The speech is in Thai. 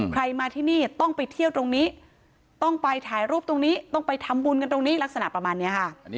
ใครมาที่นี่ต้องไปเที่ยวตรงนี้ต้องไปถ่ายรูปตรงนี้ต้องไปทำบุญกันตรงนี้ลักษณะประมาณนี้ค่ะ